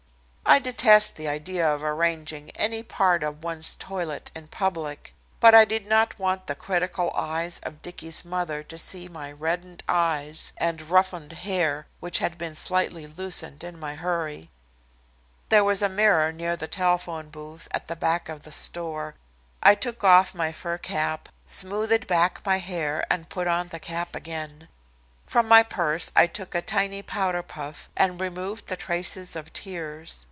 I detest the idea of arranging any part of one's toilet in public, but I did not want the critical eyes of Dicky's mother to see my reddened eyes, and roughened hair, which had been slightly loosened in my hurry. There was a mirror near the telephone booth at the back of the store. I took off my fur cap, smoothed back my hair and put on the cap again. From my purse I took a tiny powder puff and removed the traces of tears.